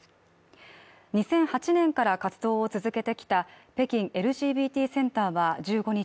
２００８年から活動を続けてきた北京ＬＧＢＴセンターは１５日、